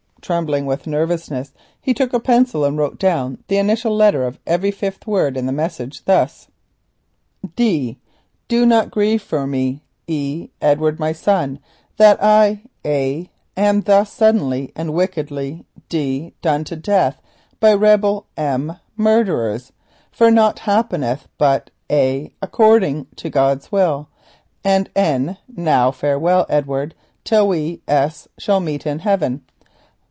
Trembling with nervousness he took a pencil and wrote down the initial letter of every fifth word in the message, thus: Do not grieve for me, Edward my son, that I am thus suddenly and D E a wickedly done to death by rebel murderers, for naught happeneth d m but according to God's will. And now farewell, Edward, till we a n shall meet in heaven.